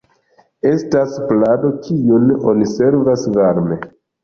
Estas plado kiun oni servas varma.